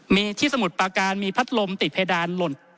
มีที่สมุทรปาการมีพัดลมติดเพดานหล่น